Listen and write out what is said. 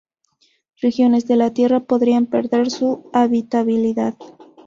Regiones de la Tierra podrían perder su habitabilidad.